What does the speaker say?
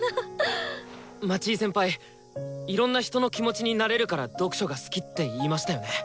町井先輩「いろんな人の気持ちになれるから読書が好き」って言いましたよね？